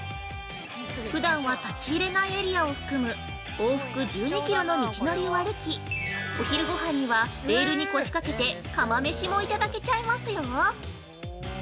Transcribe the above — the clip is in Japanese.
ふだんは立ち入れないエリアを含む往復１２キロの道のりを歩き、お昼ごはんには、レールに腰かけて釜飯もいただけちゃいますよ。